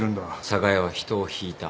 寒河江は人をひいた。